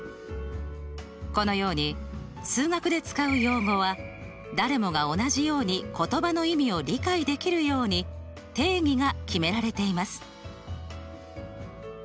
このように数学で使う用語は誰もが同じように言葉の意味を理解できるように定義が決められています。